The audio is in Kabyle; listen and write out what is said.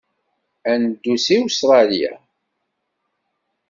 Ad neddu seg Ustṛalya.